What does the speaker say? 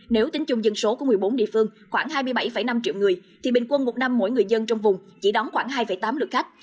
nếu tính chung dân số của một mươi bốn địa phương khoảng hai mươi bảy năm triệu người thì bình quân một năm mỗi người dân trong vùng chỉ đóng khoảng hai tám lực khách